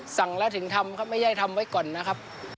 สั่งแล้วถึงทำครับไม่ใช่ทำไว้ก่อนนะครับ